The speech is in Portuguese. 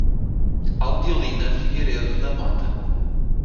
Audilina Figueiredo da Mota